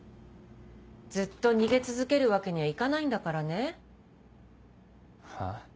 ずっと逃げ続けるわけにはいかないんだからね？は？